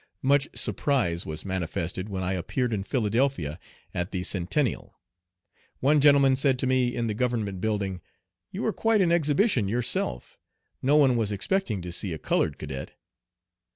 Much surprise was manifested when I appeared in Philadelphia at the Centennial. One gentleman said to me in the Government building: "You are quite an exhibition yourself. No one was expecting to see a colored cadet."